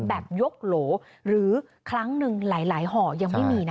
แบบยกโหลหรือครั้งหนึ่งหลายห่อยังไม่มีนะ